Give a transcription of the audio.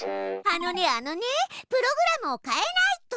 あのねプログラムを変えないと。